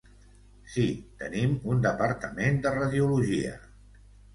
Sí, tenim un departament de radiologia.